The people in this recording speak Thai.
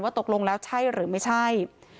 ตกลงแล้วใช่หรือไม่ใช่